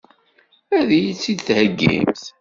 Ad iyi-tt-id-theggimt?